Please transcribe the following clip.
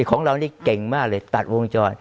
ของเรานี่เก่งมากเลยตัดวงจร